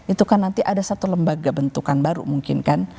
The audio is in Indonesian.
itu kan nanti ada satu lembaga bentukan baru mungkin kan